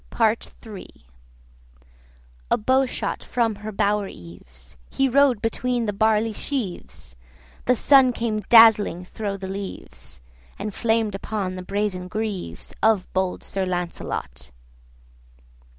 PART IIIA bow shot from her bower eaves, He rode between the barley sheaves, The sun came dazzling thro' the leaves, 75 And flamed upon the brazen greaves Of bold Sir Lancelot.